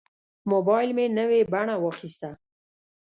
موبایل مې نوې بڼه واخیسته.